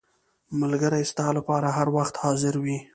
• ملګری ستا لپاره هر وخت حاضر وي.